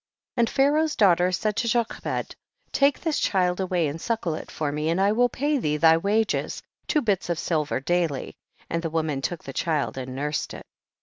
23. And Pharaoh's daughter said to Jochebed, take this child away and suckle it for me, and I will pay thee thy wages, two bits of silver daily ; and the woman took the child and nursed it.